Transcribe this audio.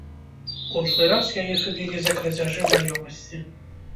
Кожны раз яе судзілі за крадзяжы маёмасці.